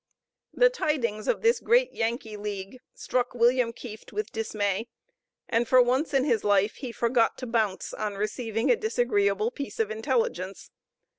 The tidings of this great Yankee league struck William Kieft with dismay, and for once in his life he forgot to bounce on receiving a disagreeable piece of intelligence.